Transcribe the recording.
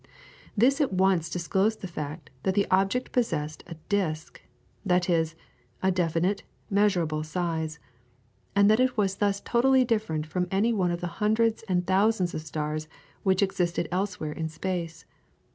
This at once disclosed the fact that the object possessed a disc, that is, a definite, measurable size, and that it was thus totally different from any one of the hundreds and thousands of stars which exist elsewhere in space.